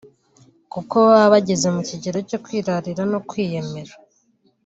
kuko baba bageze mu kigero cyo kwirarira no kwiyemera